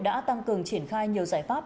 đã tăng cường triển khai nhiều giải pháp